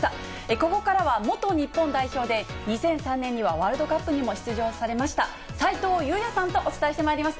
ここからは元日本代表で、２００３年にはワールドカップにも出場されました、斉藤祐也さんとお伝えしてまいります。